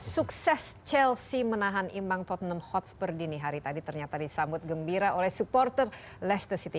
sukses chelsea menahan imbang tottenham hots per dini hari tadi ternyata disambut gembira oleh supporter leicester city